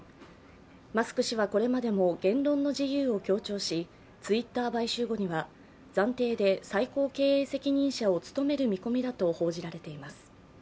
マスク氏はこれまでも言論の自由を強調し、ツイッター買収後には暫定で最高経営責任者を務める見込みだと報じられています。